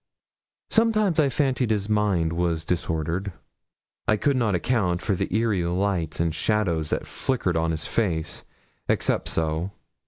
Sometimes I fancied his mind was disordered. I could not account for the eerie lights and shadows that flickered on his face, except so.